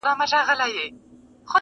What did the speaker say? پر سترخان باندي یوازي کښېنستله.!